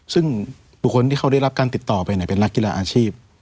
ซึ่งบุคคลที่เขาได้รับการติดต่อไปเป็นนักกีฬาอาชีพ